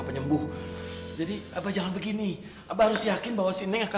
sekarang bertingkah sama si raya